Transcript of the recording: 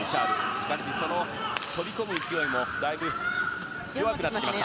しかし、その飛び込む勢いもだいぶ弱くなってきました。